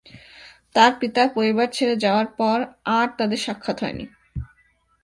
তার পিতা পরিবার ছেড়ে যাওয়ার পর আর তাদের সাক্ষাৎ হয়নি।